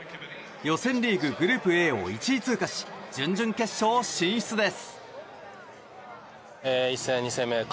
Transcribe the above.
予選リーググループＡを１位通過し準々決勝進出です。